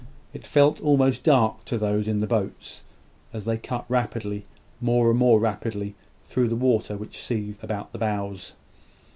It felt almost dark to those in the boats, as they cut rapidly more and more rapidly through the water which seethed about the bows.